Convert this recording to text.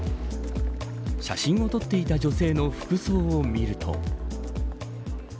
写真を撮っていた女性の服装を見ると。